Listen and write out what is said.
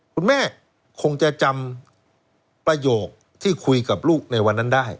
คุณแม่คงจะจำประโยคที่คุยกับลูกในวันนั้นได้